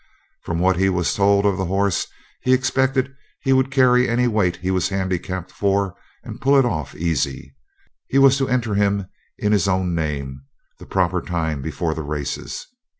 From what he was told of the horse he expected he would carry any weight he was handicapped for and pull it off easy. He was to enter him in his own name, the proper time before the races.